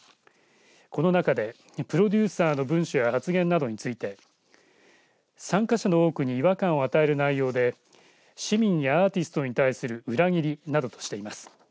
この中で、プロデューサーの文書や発言などについて参加者の多くに違和感を与える内容で市民やアーティストに対する裏切りなどとしています。